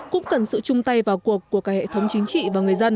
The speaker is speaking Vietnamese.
cũng cần sự chung tay vào cuộc của cả hệ thống chính trị và người dân